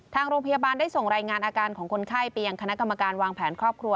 ทางโรงพยาบาลได้ส่งรายงานอาการของคนไข้ไปยังคณะกรรมการวางแผนครอบครัว